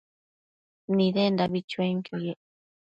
Nidendabi chuenquio yec